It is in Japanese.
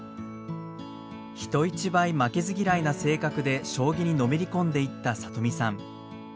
人一倍負けず嫌いな性格で将棋にのめり込んでいった里見さん。